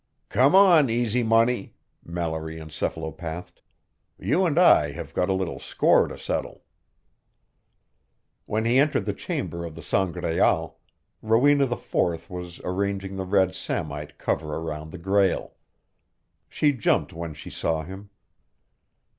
Come on, Easy Money, Mallory encephalopathed. You and I have got a little score to settle. When he entered the chamber of the Sangraal, Rowena IV was arranging the red samite cover around the Grail. She jumped when she saw him.